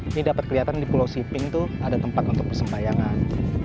ini dapat kelihatan di pulau simping itu ada tempat untuk persembahyangan